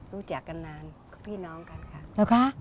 รู้จักกันนานพี่น้องกันค่ะ